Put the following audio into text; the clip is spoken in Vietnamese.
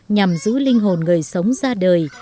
nhằm giữ linh hồn người sống ra đời